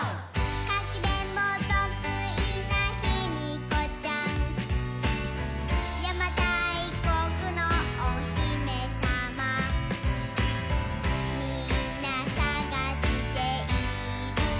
「かくれんぼとくいなヒミコちゃん」「やまたいこくのおひめさま」「みんなさがしているけど」